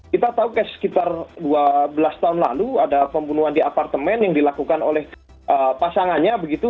kita tahu sekitar dua belas tahun lalu ada pembunuhan di apartemen yang dilakukan oleh pasangannya begitu